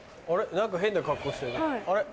何か変な格好してるねあれ？